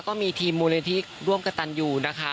ก็มีทีมมูลนิธิร่วมกับตันยูนะคะ